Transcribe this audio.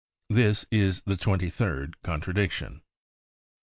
This is the twenty third contradiction.